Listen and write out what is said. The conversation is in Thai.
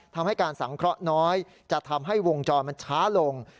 ทำให้การสังเคราะห์น้อยจะทำให้วงจรมันช้าลง